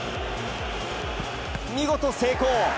見事成功。